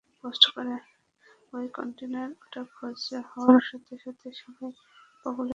ওই কন্টেইনার ওটা নিখোঁজ হওয়ার সাথে সাথে সবাই পাগলের মতো শুরু করেছিল।